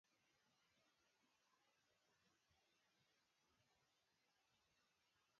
Ltd.